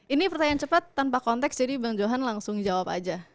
ini pertanyaan cepat tanpa konteks jadi bang johan langsung jawab aja